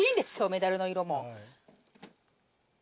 メダルの色も。